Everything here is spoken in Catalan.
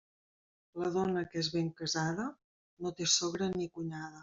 La dona que és ben casada, no té sogra ni cunyada.